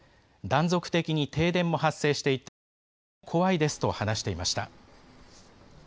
断続的に停電も発生していて、とても怖いですと話していました。